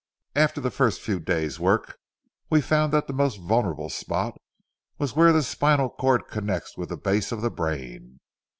After the first few days' work, we found that the most vulnerable spot was where the spinal cord connects with the base of the brain.